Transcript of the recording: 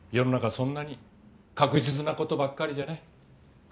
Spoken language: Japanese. そんなに確実なことばっかりじゃない。